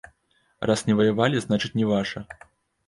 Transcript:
Раз не ваявалі, значыць, не ваша.